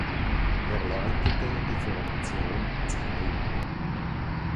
Er leitete die Formation Zaum.